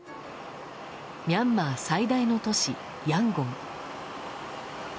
ミャンマー最大の都市ヤンゴン。